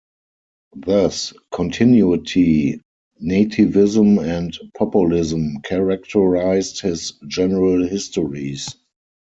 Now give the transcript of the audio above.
Thus continuity, nativism, and populism characterized his general histories.